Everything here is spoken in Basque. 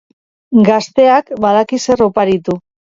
Gazteak badaki zer oparitu.